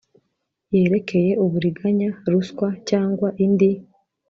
Yerekeye uburiganya ruswa cyangwa indi